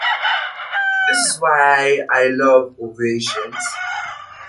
This is why I love Ovations.